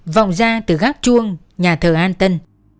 vòng ra từ gác chuông nhà thờ an tân